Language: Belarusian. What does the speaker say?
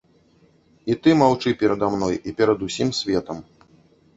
І ты маўчы перада мной і перад усім светам.